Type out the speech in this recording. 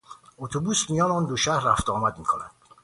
اتوبوس میان آن دو شهر رفت و آمد میکند.